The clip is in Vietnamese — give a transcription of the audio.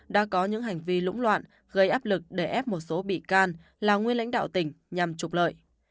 đã có những hành vi lũng loạn gây áp lực để ép một số bị can là nguyên lãnh đạo tỉnh nhằm trục lợi